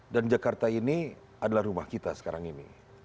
dan jakarta ini adalah rumah kita sekarang ini